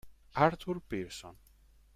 Arthur Pierson